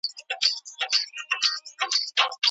سی پي ار څه مانا لري؟